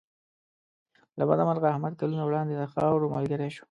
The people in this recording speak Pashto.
له بده مرغه احمد کلونه وړاندې د خاورو ملګری شو.